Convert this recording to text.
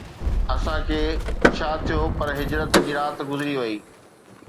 اسان کي ڇا ٿيو پر هجرت جي رات گذري وئي